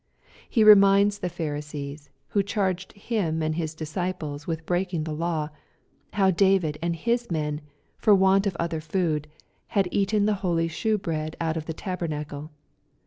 He reminds the Phari sees^ who charged Him and His disciples with breaking the law, how David and his men, for want of othei food, had eaten the holy shew bread out of the taber nacle.